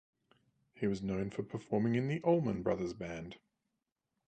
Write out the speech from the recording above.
He was known for performing in the Allman Brothers Band.